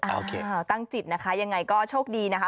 โอเคตั้งจิตนะคะยังไงก็โชคดีนะคะ